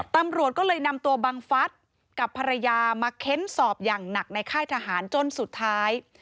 ตำรวจก็เลยนำตัวบังฟัฐกับภรรยามาเค้นสอบอย่างหนักในค่ายทหารจนสุดท้าย